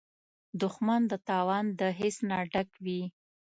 دښمن د تاوان د حس نه ډک وي